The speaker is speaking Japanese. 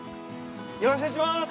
よろしくお願いします！